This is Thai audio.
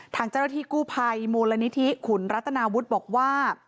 ทางเจ้าหน้าที่กู้ภัยมูลนิธิขุนรัตนาวุฒิบอกว่า